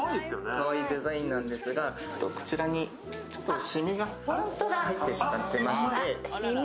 かわいいデザインなんですが、こちらにちょっとシミが入ってしまっていまして。